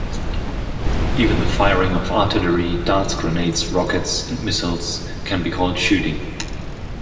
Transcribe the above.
Even the firing of artillery, darts, grenades, rockets, and missiles can be called shooting.